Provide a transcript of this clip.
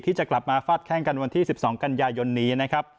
ที่จะกลับมาฟาดแค่งกันวันที่๑๒กันยายนนี้